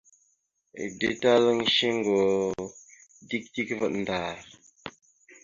Adəɗatalalaŋ shungo dik dik vvaɗ ndar.